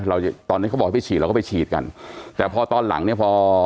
เราตอนนี้เขาบอกให้ไปฉีดเราก็ไปฉีดกันแต่พอตอนหลังเนี่ยพอ